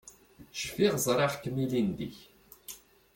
Cfiɣ ẓriɣ-kem ilindi.